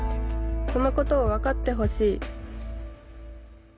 そのことを分かってほしい